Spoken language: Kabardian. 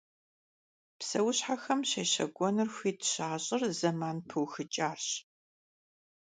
Псэущхьэхэм щещэкӀуэныр хуит щащӀыр зэман пыухыкӀарщ.